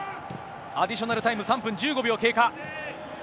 アディショナルタイム、３分１５秒経過。